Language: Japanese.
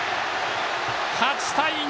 ８対２！